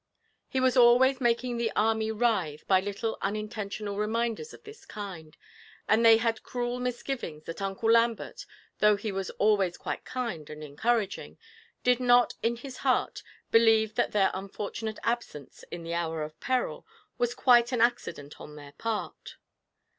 He was always making the army writhe by little unintentional reminders of this kind, and they had cruel misgivings that Uncle Lambert, though he was always quite kind and encouraging, did not in his heart believe that their unfortunate absence in the hour of peril was quite an accident on their part.